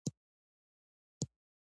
کابل ولې د غرونو په منځ کې پروت دی؟